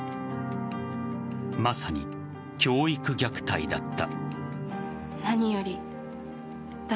まさに教育虐待だった。